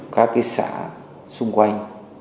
các cái xã xung quanh